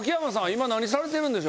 今何されてるんでしょう？